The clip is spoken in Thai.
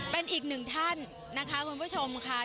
เป็นอีกหนึ่งท่านนะคะคุณผู้ชมค่ะ